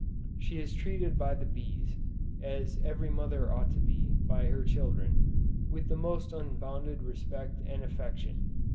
She is treated by the bees, as every mother ought to be, by her children, with the most unbounded respect and affection.